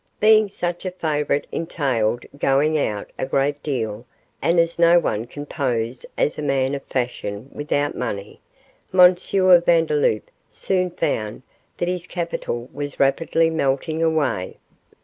Being such a favourite entailed going out a great deal, and as no one can pose as a man of fashion without money, M. Vandeloup soon found that his capital was rapidly melting away.